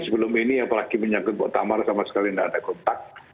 sebelum ini apalagi menyangkut muktamar sama sekali tidak ada kontak